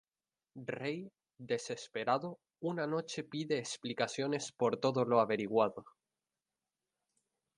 Ray, desesperado, una noche pide explicaciones por todo lo averiguado.